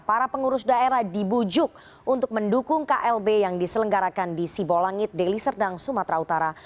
para pengurus daerah dibujuk untuk mendukung klb yang diselenggarakan di sibolangit deli serdang sumatera utara